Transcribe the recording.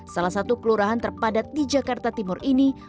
salah satu kelurahan terpadat di jakarta timur ini